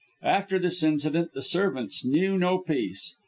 After this incident the servants knew no peace.